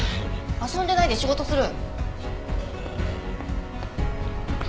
遊んでないで仕事する。